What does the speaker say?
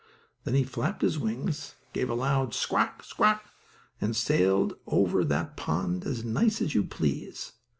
Then he flapped his wings, gave a loud "squawk squawk" and sailed over that pond as nice as you please.